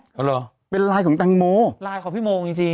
หรอเป็นลายของตังโมลายของพี่โมจริงจริง